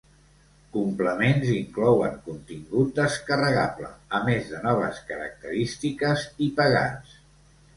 Complements inclouen contingut descarregable, a més de noves característiques i pegats.